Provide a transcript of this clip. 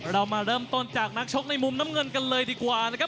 เรามาเริ่มต้นจากนักชกในมุมน้ำเงินกันเลยดีกว่านะครับ